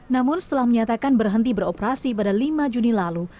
namun setelah menyatakan berhenti beroperasi pada lima juni lalu